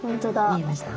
見えました？